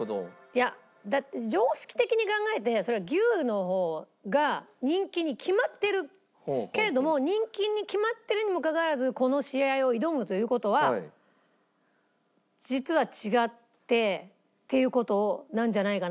いやだって常識的に考えてけれども人気に決まってるにもかかわらずこの試合を挑むという事は実は違ってっていう事なんじゃないかなと。